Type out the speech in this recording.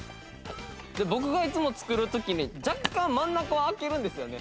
僕がいつも作る時に若干真ん中を空けるんですよね。